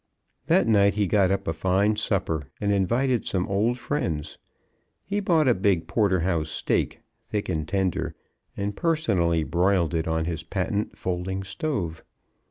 That night he got up a fine supper, and invited some old friends. He bought a big porterhouse steak, thick and tender, and personally broiled it on his patent folding stove.